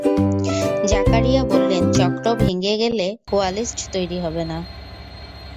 জাকারিয়া বললেন, চক্র ভেঙে গেলে কোয়ালিস্ট তৈরি হবে না।